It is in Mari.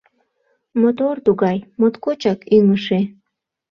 Мотор тугай, моткочак ӱҥышӧ.